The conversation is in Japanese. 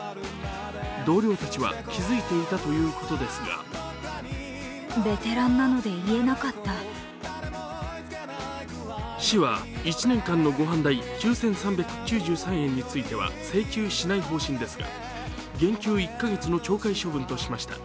同僚たちは気付いていたということですが市は１年間のご飯代９３９３円については請求しない方針ですが減給１か月の懲戒処分としました。